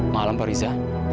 malam pak riza